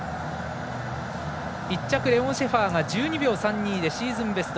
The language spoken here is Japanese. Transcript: １着、レオン・シェファーが１２秒３２でシーズンベスト。